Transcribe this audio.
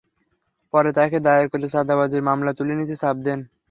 পরে তাঁকে তাঁর দায়ের করা চাঁদাবাজির মামলা তুলে নিতে চাপ দেন।